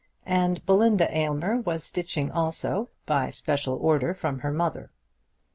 And Belinda Aylmer was stitching also, by special order from her mother.